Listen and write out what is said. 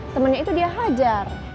temennya itu dia hajar